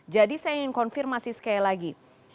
jadi saya ingin konfirmasi sekali lagi